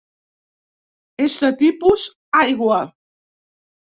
És de tipus aigua.